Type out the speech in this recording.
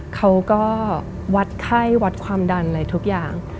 เขาก็วัดไข้วัดความดันอะไรทุกอย่าง